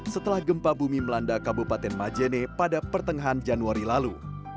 setelah gempa bumi melanda kabupaten majene pada pertengahan januari lalu